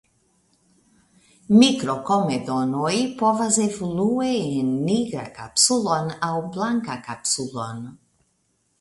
Mikrokomedonoj povas evolui en nigrakapsulon aŭ blankakapsulon.